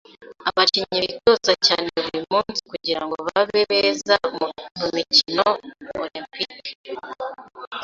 Abakinnyi bitoza cyane buri munsi kugirango babe beza mu mikino Olempike.